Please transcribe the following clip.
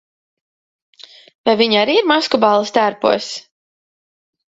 Vai viņi arī ir maskuballes tērpos?